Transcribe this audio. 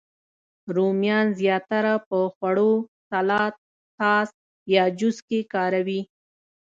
رومیان زیاتره په خوړو، سالاد، ساس، یا جوس کې کاروي